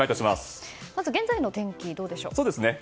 まず現在の天気、どうでしょう。